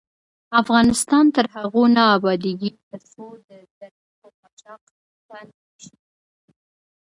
افغانستان تر هغو نه ابادیږي، ترڅو د لرګیو قاچاق بند نشي.